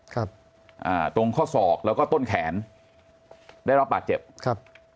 ครับอ่าตรงข้อศอกแล้วก็ต้นแขนได้รับบาดเจ็บครับ